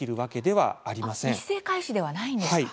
一斉開始ではないんですか。